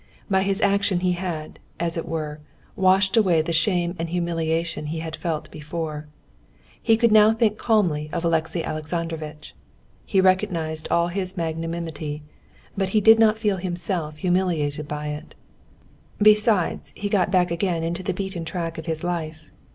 By his action he had, as it were, washed away the shame and humiliation he had felt before. He could now think calmly of Alexey Alexandrovitch. He recognized all his magnanimity, but he did not now feel himself humiliated by it. Besides, he got back again into the beaten track of his life.